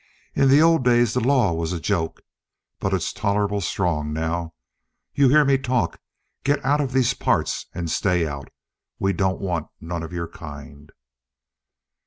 In the old days the law was a joke. But it's tolerable strong now. You hear me talk get out of these here parts and stay out. We don't want none of your kind."